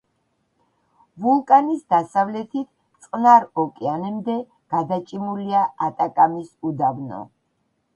ვულკანის დასავლეთით წყნარ ოკეანემდე გადაჭიმულია ატაკამის უდაბნო.